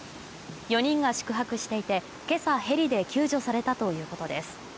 ４人が宿泊していて今朝、ヘリで救助されたということです。